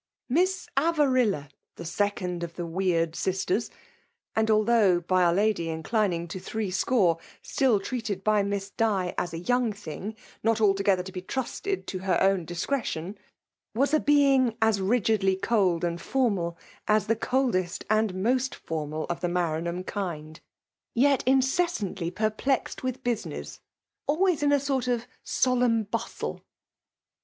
. Miss Avarilla, the second of the ters, and (although, '' by'r lady, incUowig to three score/') still treated by Miss Di, aa it young thing not altogether to be tnuteAlD its own discretion — ^was a being aa rigidly coU and formal as the coldest and moat formal 4^ the Maranham kind^ yet incessantly perplnad with business — ^always in a sort of bustle.